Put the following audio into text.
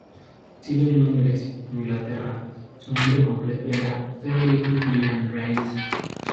Nacido en Londres, Inglaterra, su nombre completo era Frederick William Rains.